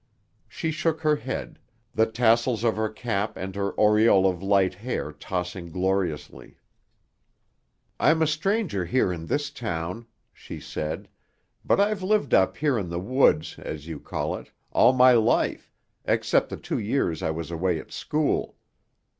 She shook her head, the tassels of her cap and her aureole of light hair tossing gloriously. "I'm a stranger here in this town," she said, "but I've lived up here in the woods, as you call it, all my life except the two years I was away at school.